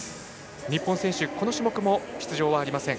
日本選手、この種目も出場はありません。